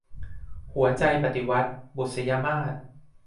หัวใจปฏิวัติ - บุษยมาส